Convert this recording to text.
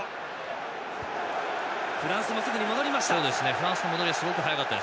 フランス、すぐに戻りました。